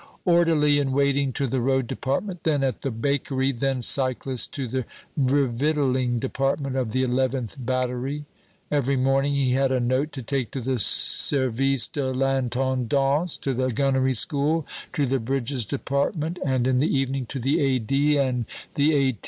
" orderly in waiting to the Road Department, then at the Bakery, then cyclist to the Revictualing Department of the Eleventh Battery." " every morning he had a note to take to the Service de l'Intendance, to the Gunnery School, to the Bridges Department, and in the evening to the A.D. and the A.